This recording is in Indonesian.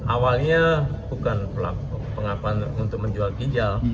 awalnya bukan pengakuan untuk menjual ginjal